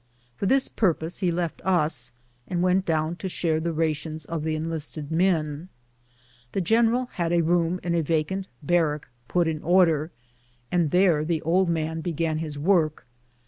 For this purpose he left us, and went down to share the rations of the enlisted men. The general had a room in a vacant barrack pnt in order, and there the old man began his work.